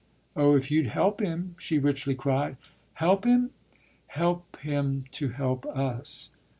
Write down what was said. "Oh if you'd help him!" she richly cried. "Help him?" "Help him to help us."